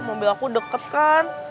mobil aku deket kan